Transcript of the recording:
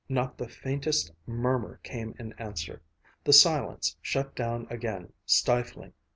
Not the faintest murmur came in answer. The silence shut down again, stifling.